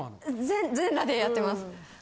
全裸でやってます。